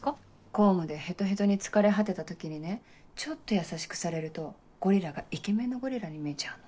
公務でヘトヘトに疲れ果てた時にねちょっと優しくされるとゴリラがイケメンのゴリラに見えちゃうの。